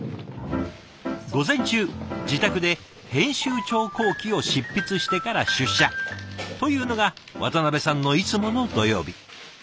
午前中自宅で編集長後記を執筆してから出社というのが渡部さんのいつもの土曜日。